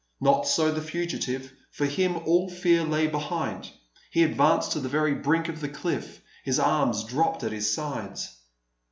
Not so the fugitive; for him all fear lay behind. He advanced to the very brink of the cliff. His arms dropped at his sides.